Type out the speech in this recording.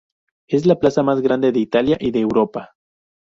Es la plaza más grande de Italia, y de Europa.